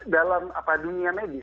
dalam dunia medis